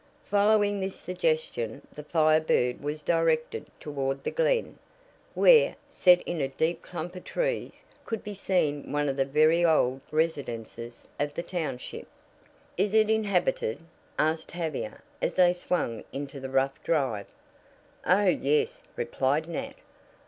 Following this suggestion the Fire Bird was directed toward the Glen, where, set in a deep clump of trees, could be seen one of the very old residences of the township. "Is it inhabited?" asked Tavia as they swung into the rough drive. "Oh, yes," replied Nat.